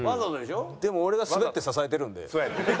でも俺がスベって支えてるので。